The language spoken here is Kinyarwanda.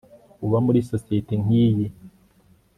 Uba muri sosiyete nkiyi